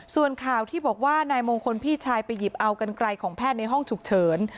ส่วนข่าวที่บอกว่านายมงคลพี่ชายไปหยิบเอากันไกลของแพทย์ในห้องฉุกเฉิน